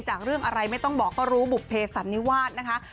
เรื่องอะไรไม่ต้องบอกก็รู้บุภเพสันนิวาสนะคะ